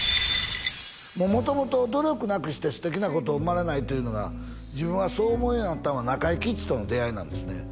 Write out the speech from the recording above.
元々努力なくして素敵なことは生まれないというのが自分がそう思うようになったのは中井貴一との出会いなんですね